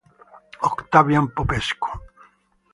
Octavian Popescu